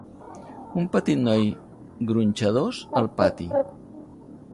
Un petit noi Gronxadors al pati.